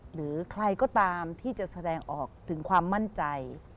หรือใครก็ตามที่จะแสดงออกถึงความมั่นใจ